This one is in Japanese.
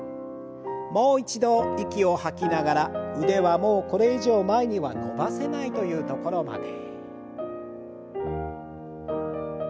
もう一度息を吐きながら腕はもうこれ以上前には伸ばせないという所まで。